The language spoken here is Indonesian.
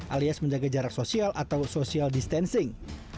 alias menjaga jarak sosial atau social distancing